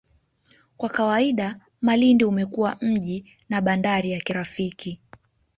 Kwa kawaida Malindi umekuwa mji na bandari ya kirafiki